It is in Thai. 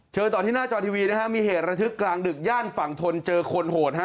ต่อที่หน้าจอทีวีนะฮะมีเหตุระทึกกลางดึกย่านฝั่งทนเจอคนโหดฮะ